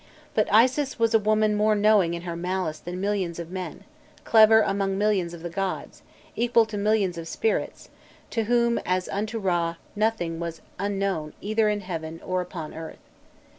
But Isis "was a woman more knowing in her malice than millions of men, clever among millions of the gods, equal to millions of spirits, to whom as unto Râ nothing was unknown either in heaven or upon earth."